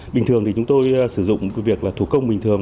bình thường thì chúng tôi sử dụng việc là thủ công bình thường